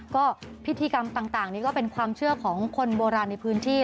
ก็พิธีกรรมต่างนี้ก็เป็นความเชื่อของคนโบราณในพื้นที่